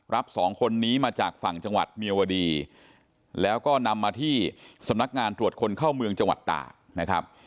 สองคนนี้มาจากฝั่งจังหวัดเมียวดีแล้วก็นำมาที่สำนักงานตรวจคนเข้าเมืองจังหวัดตากนะครับ